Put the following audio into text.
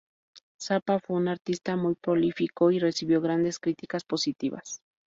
Zappa fue un artista muy prolífico y recibió grandes críticas positivas.